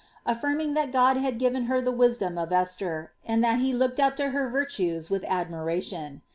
alYirmiug that God had given her the wisdom of Esther, and thai he looked up to her virtues wiih admiration.